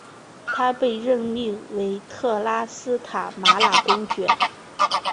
他被任命为特拉斯塔马拉公爵。